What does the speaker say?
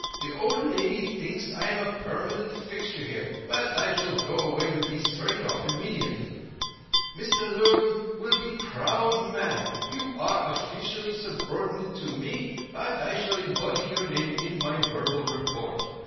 The old lady thinks I am permanent fixture here, but I shall go away with these straight off—immediately. Mr Lurgan will be proud man. You are offeecially subordinate to me, but I shall embody your name in my verbal report.